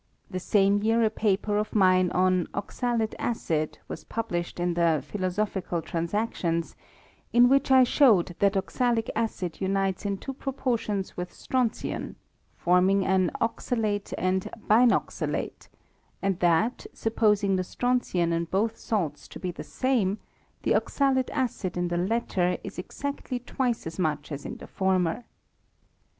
The same year a paper of mine on oxalic acid was published in the Philosophical Trans actions, in which I showed that oxalic acid unites in two proportions with strontian, forming an oxalate and bittoxalate; and that, supposing the strontian in both salts to be the same, the oxalic acid in the latter is exactly twice aa much as in the former.